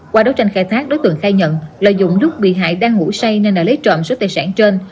qua đấu tranh khai thác đối tượng khai nhận lợi dụng lúc bị hại đang ngủ say nên đã lấy trộm số tài sản trên